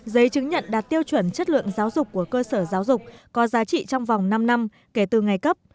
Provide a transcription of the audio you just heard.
giấy chứng nhận đạt tiêu chuẩn chất lượng giáo dục của cơ sở giáo dục có giá trị trong vòng năm năm kể từ ngày cấp